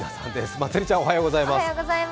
まつりちゃんおはようございます。